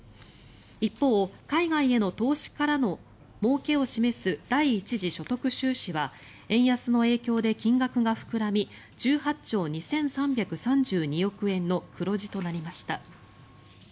一方、海外への投資からのもうけを示す第一次所得収支は円安の影響で金額が膨らみ１８兆２３３２億円の黒字となりました。